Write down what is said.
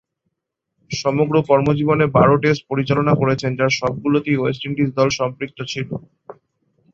সমগ্র কর্মজীবনে বারো টেস্ট পরিচালনা করেছেন, যার সবগুলোতেই ওয়েস্ট ইন্ডিজ দল সম্পৃক্ত ছিল।